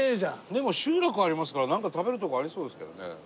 でも集落ありますからなんか食べるとこありそうですけどね。